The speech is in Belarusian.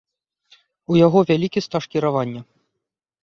У яго вялікі стаж кіравання.